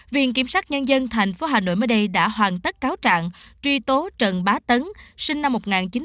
viện kiểm sát nhân dân tp hà nội mới đây đã hoàn tất cáo trạng truy tố trần bá tấn sinh năm một nghìn chín trăm tám mươi